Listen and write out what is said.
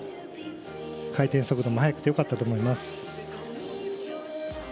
回転速度も速くてよかったと思います。